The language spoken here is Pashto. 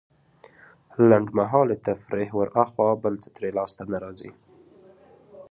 لنډمهالې تفريح وراخوا بل څه ترې لاسته نه راځي.